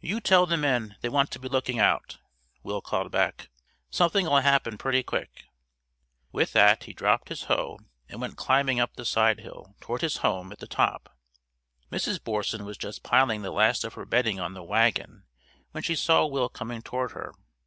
"You tell the men they want to be looking out!" Will called back. "Something'll happen pretty quick!" With that he dropped his hoe and went climbing up the side hill toward his home at the top. Mrs. Borson was just piling the last of her bedding on the wagon when she saw Will coming toward her.